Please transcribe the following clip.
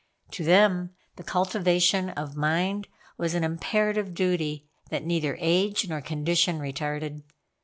To them the cultivation of the mind was an imperative duty, that neither age nor condition retarded.